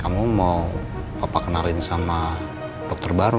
kamu mau papa kenalin sama dokter baru